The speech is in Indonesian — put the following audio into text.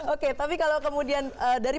oke tapi kalau kemudian dari pendidiknya sendiri